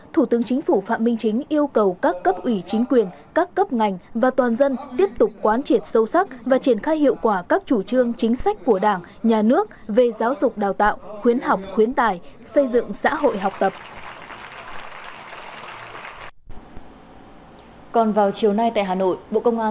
thủ tướng chính phủ phạm minh chính yêu cầu các cấp ủy chính quyền các cấp ngành và toàn dân tiếp tục quán triệt sâu sắc và triển khai hiệu quả các chủ trương chính sách của đảng nhà nước về giáo dục đào tạo khuyến học khuyến tài xây dựng xã hội học tập